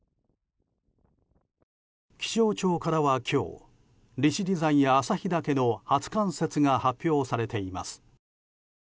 気象庁からは今日利尻山や旭岳の初冠雪が発表されています。